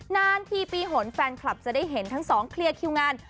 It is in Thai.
นานทีปีหนแฟนคลับจะได้เห็นทั้งสองเคลียร์คิวงาน